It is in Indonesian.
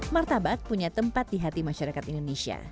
martabak punya tempat di hati masyarakat indonesia